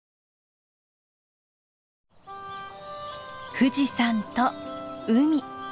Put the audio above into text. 富士山と海。